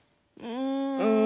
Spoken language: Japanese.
うん。